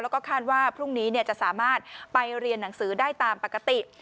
แล้วก็คาดว่าพรุ่งนี้จะสามารถไปเรียนหนังสือได้ตามปกติ